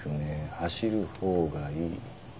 走る方がいい」。